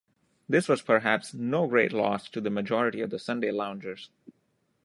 This was perhaps no great loss to the majority of the Sunday loungers.